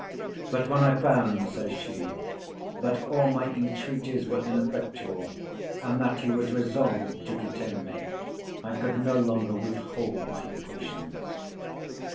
'But when I found,' says she, 'that all my entreaties were ineffectual, and that he was resolved to detain me, I could no longer withhold my impatience.